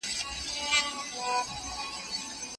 هغوی ته څيښاک ورکړي.